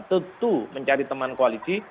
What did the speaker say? tentu mencari teman koalisi